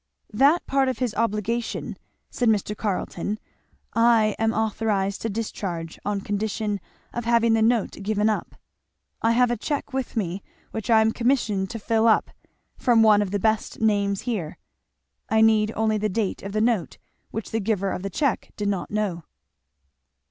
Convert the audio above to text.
"That part of his obligation," said Mr. Carleton, "I am authorized to discharge, on condition of having the note given up. I have a cheque with me which I am commissioned to fill up, from one of the best names here. I need only the date of the note, which the giver of the cheque did not know."